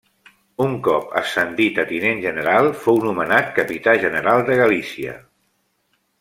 Un cop ascendit a tinent general, fou nomenat capità general de Galícia.